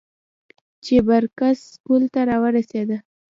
چې بر کڅ سکول ته راورسېدۀ ـ